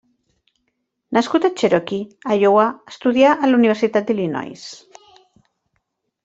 Nascut a Cherokee, Iowa, estudià a la Universitat d'Illinois.